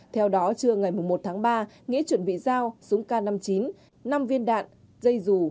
theo đó trưa ngày một tháng ba nghĩa chuẩn bị dao súng k năm mươi chín năm viên đạn dây dù